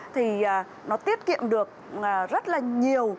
thì nó tiết kiệm được rất là nhiều